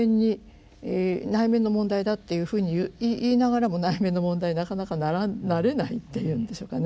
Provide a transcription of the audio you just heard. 内面の問題だっていうふうに言いながらも内面の問題になかなかなれないっていうんでしょうかね。